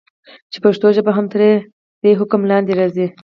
چې پښتو ژبه هم تر دي حکم لاندي راځي.